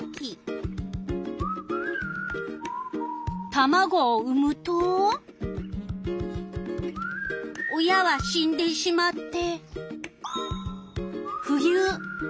タマゴを産むと親は死んでしまって。